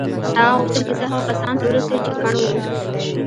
هغه غوښتل کیسه هغو کسانو ته ورسوي چې کڼ وو